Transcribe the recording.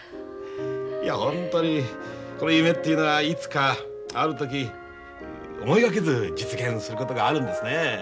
いや本当にこの夢っていうのはいつかある時思いがけず実現することがあるんですねえ。